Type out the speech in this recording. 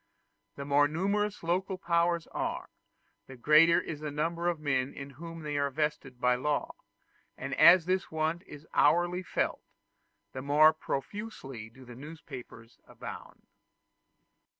The more numerous local powers are, the greater is the number of men in whom they are vested by law; and as this want is hourly felt, the more profusely do newspapers abound.